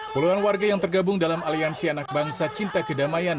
puluhan warga yang tergabung dalam aliansi anak bangsa cinta kedamaian